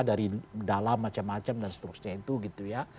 dari dalam macam macam dan seterusnya itu gitu ya